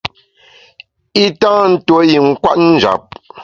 I tâ ntuo i nkwet njap.